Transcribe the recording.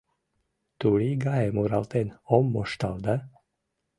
Турий гае муралтен ом моштал да